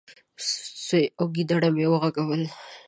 . سوی او ګيدړه مې وغږول،